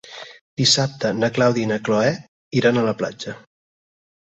Dissabte na Clàudia i na Cloè iran a la platja.